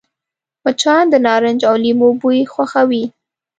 مچان د نارنج او لیمو بوی خوښوي